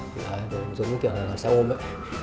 giống kiểu là xe ôm ấy